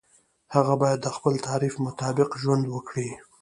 هغه باید د خپل تعریف مطابق ژوند وکړي.